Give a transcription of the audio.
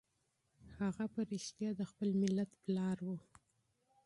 هغه په رښتیا د خپل ملت پلار و.